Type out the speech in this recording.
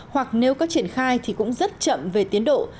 hoặc nếu có triển khai thì cũng rất chậm về tiến độ